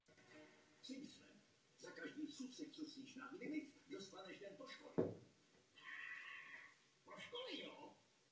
V dětství se věnovala sportovní gymnastice.